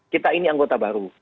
kita ini anggota baru